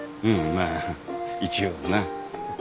まあ一応な。